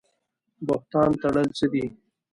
بهتان تړل څه دي؟